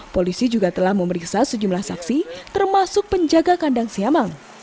polisi juga telah memeriksa sejumlah saksi termasuk penjaga kandang siamang